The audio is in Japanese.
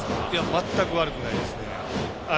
全く悪くないですね。